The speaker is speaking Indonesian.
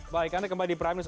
baik anda kembali di prime news